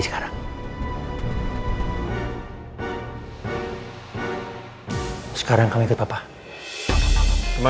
sekarang hacap vaksin